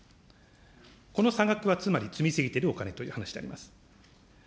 この差額はつまり積み過ぎてるお金という話であります。